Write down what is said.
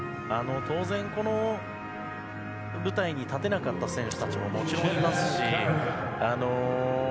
この舞台に立てなかった選手たちももちろん、いますし。